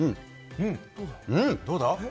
どうだ？